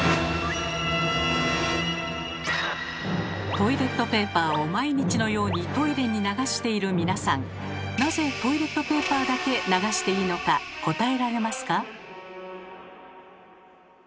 トイレットペーパーを毎日のようにトイレに流している皆さんなぜトイレットペーパーだけ流していいのか答えられますか？